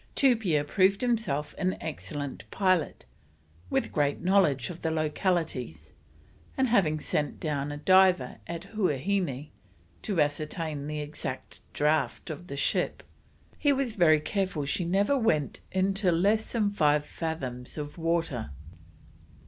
Tupia proved himself an excellent pilot, with great knowledge of the localities, and, having sent down a diver at Huaheine to ascertain the exact draught of the ship, he was very careful she never went into less than five fathoms of water.